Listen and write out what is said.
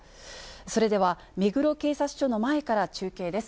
それでは、目黒警察署の前から中継です。